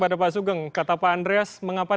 pada pak sugeng kata pak andreas mengapa